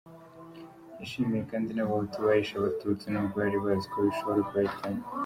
Yashimiye kandi n’Abahutu bahishe Abatutsi n’ubwo bari bazi ko bishobora kubahitana.